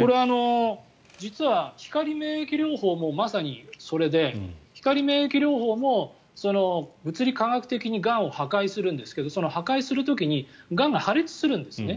これは実は光免疫療法もまさにそれで光免疫療法も物理化学的にがんを破壊するんですけどその破壊する時にがんが破裂するんですね。